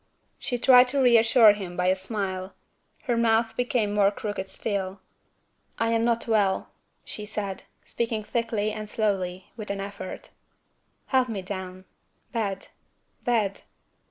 She tried to reassure him by a smile. Her mouth became more crooked still. "I'm not well," she said, speaking thickly and slowly, with an effort. "Help me down. Bed. Bed."